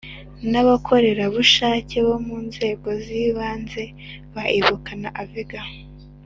n abakorera bushake bo mu nzego z ibanze ba Ibuka na Avega